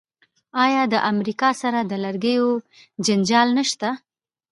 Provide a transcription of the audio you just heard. آیا د امریکا سره د لرګیو جنجال نشته؟